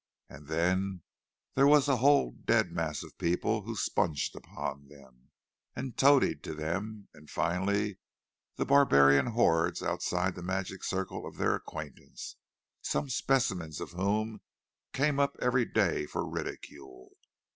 And then there was the whole dead mass of people who sponged upon them and toadied to them; and finally the barbarian hordes outside the magic circle of their acquaintance—some specimens of whom came up every day for ridicule.